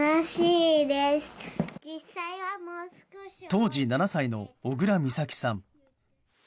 当時７歳の小倉美咲さん。